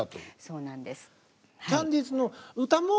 そうなんですはい。